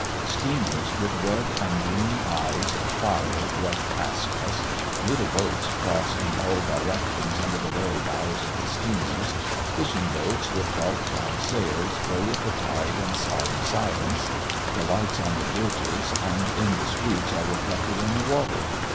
Steamers with red and green eyes of fire rush past us; little boats cross in all directions under the very bows of the steamers; fishing boats with dark brown sails go with the tide in solemn silence; the lights on the bridges and in the streets are reflected in the water.